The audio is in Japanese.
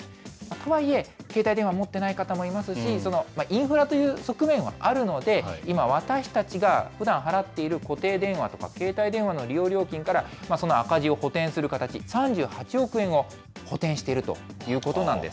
とはいえ、携帯電話持ってない方もいますし、インフラという側面はあるので、今、私たちがふだん払っている固定電話とか携帯電話の利用料金からその赤字を補填する形、３８億円を補填しているということなんです。